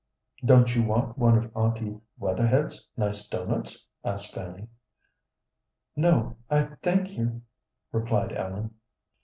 "Don't you want one of Aunty Wetherhed's nice doughnuts?" asked Fanny. "No; I thank you," replied Ellen.